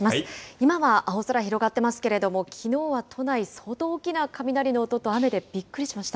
今は青空広がってますけれども、きのうは都内、相当大きな雷の音と雨でびっくりしました。